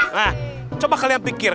nah coba kalian pikir